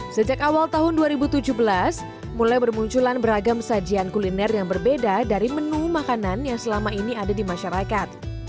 sejak awal tahun dua ribu tujuh belas mulai bermunculan beragam sajian kuliner yang berbeda dari menu makanan yang selama ini ada di masyarakat